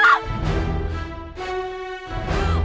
bu bangun bu